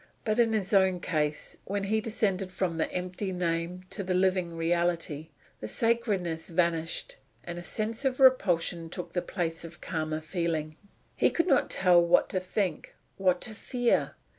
But in his own case, when he descended from the empty name to the living reality, the sacredness vanished, and a sense of repulsion took the place of calmer feeling. He could not tell what to think what to fear.